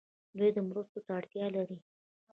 دوی مرستو ته اړتیا لري.